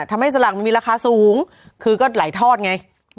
ทำให้สลากมีราคาสูงคือก็หลายทอดไง